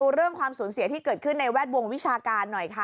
เรื่องความสูญเสียที่เกิดขึ้นในแวดวงวิชาการหน่อยค่ะ